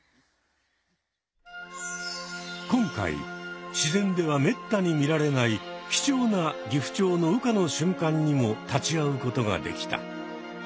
今回自然ではめったに見られない貴重なギフチョウの羽化の瞬間にも立ち会うことができた。